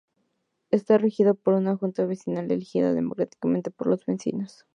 Está regido por una Junta Vecinal elegida democráticamente por los vecinos.